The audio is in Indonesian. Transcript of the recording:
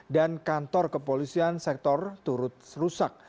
dan kantor kepolisian sektor turut rusak